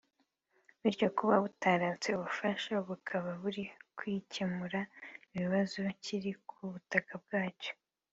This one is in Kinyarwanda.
bityo kuba butaratse ubufasha bukaba buri kwicyemura ikibazo kiri ku butaka bwacyo